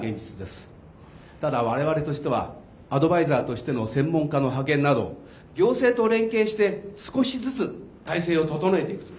ただ我々としてはアドバイザーとしての専門家の派遣など行政と連携して少しずつ体制を整えていくつもりです。